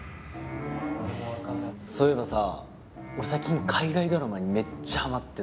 そういえばさ俺最近海外ドラマにめっちゃハマってて。